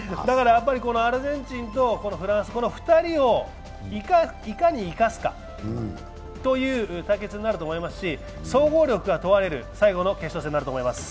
アルゼンチンとフランスの２人をいかに生かすかという対決になると思いますし総合力が問われる最後の決勝戦になると思います。